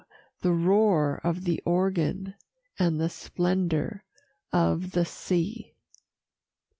the roar of the Oregon and the splendor of the Sea!